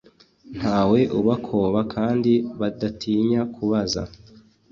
ntawe ubakoba kandi badatinya kubaza